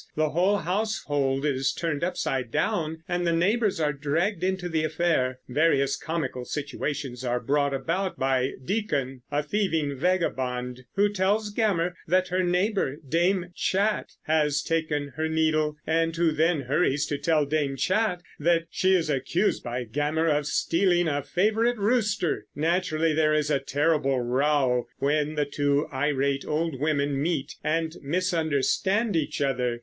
The whole household is turned upside down, and the neighbors are dragged into the affair. Various comical situations are brought about by Diccon, a thieving vagabond, who tells Gammer that her neighbor, Dame Chatte, has taken her needle, and who then hurries to tell Dame Chatte that she is accused by Gammer of stealing a favorite rooster. Naturally there is a terrible row when the two irate old women meet and misunderstand each other.